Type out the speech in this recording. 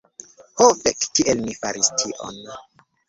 "Ho fek' kiel mi faris tion"